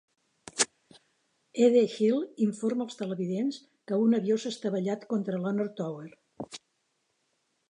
E. D. Hill informa els televidents que un avió s'ha estavellat contra la North Tower.